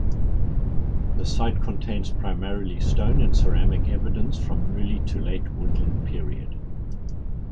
The site contains primarily stone and ceramic evidence from Early to Late Woodland period.